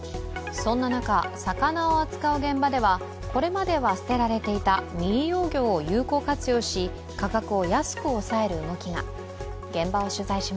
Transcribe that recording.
そんな中、魚を扱うお店ではこれまでは捨てられていた未利用魚を有効活用し、価格を安く抑える動きが。